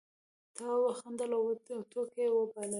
تواب وخندل او ټوکې یې وبللې.